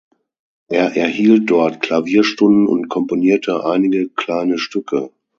Er erhielt dort Klavierstunden und komponierte einige kleine Stücke.